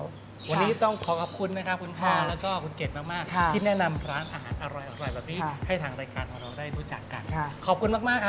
วันนี้ต้องขอขอบคุณนะคะคุณพาและคุณเกดมาก